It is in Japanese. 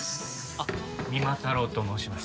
あっ三馬太郎と申します。